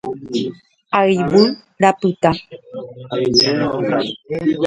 Ayvu rapyta.